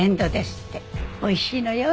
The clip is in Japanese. おいしいのよ